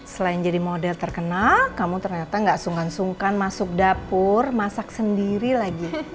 selain jadi model terkenal kamu ternyata gak sungkan sungkan masuk dapur masak sendiri lagi